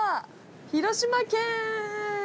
広島県。